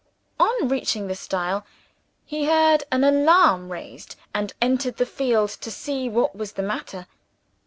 On reaching the stile, he heard an alarm raised, and entered the field to see what was the matter.